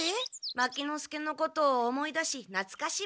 牧之介のことを思い出しなつかしむの。